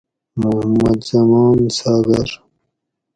محمد زمان ساگر